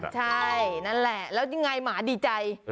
ใช่นั่นแหละแล้วยังไงหมาดีใจ